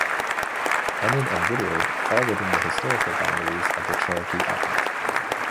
Enid and Woodward fall within the historical boundaries of the Cherokee Outlet.